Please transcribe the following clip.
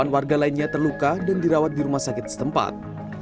delapan warga lainnya terluka dan dirawat di rumah sakit setempat